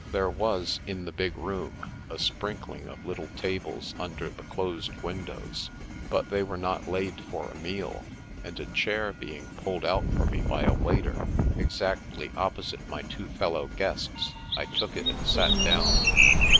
There was, in the big room, a sprinkling of little tables under the closed windows, but they were not laid for a meal ; and a chair being pulled out for me by a waiter, exactly opposite my two fellow guests, I took it and sat down.